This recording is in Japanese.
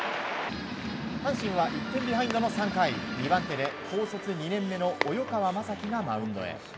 阪神は１点ビハインドの３回２番手で、高卒２年目の及川雅貴がマウンドへ。